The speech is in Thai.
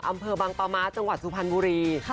อำเภอบางตาม้าจังหวัดซุพันฑุรี